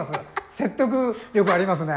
説得力ありますね。